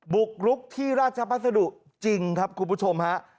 บุกรุกที่ราชพัสดุจริงครับคุณผู้ชมฮะ